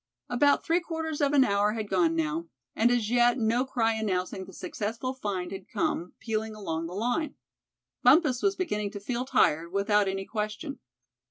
About three quarters of an hour had gone now, and as yet no cry announcing the successful find had come pealing along the line. Bumpus was beginning to feel tired, without any question.